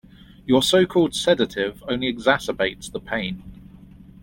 Your so-called sedative only exacerbates the pain.